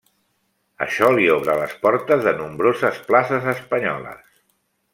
Això li obre les portes de nombroses places espanyoles.